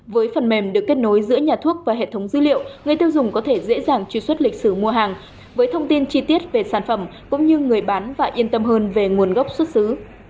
với phần mềm được kết nối giữa nhà thuốc và hệ thống dữ liệu người tiêu dùng có thể dễ dàng truy xuất lịch sử mua hàng với thông tin chi tiết về sản phẩm cũng như người bán và yên tâm hơn về nguồn gốc xuất xứ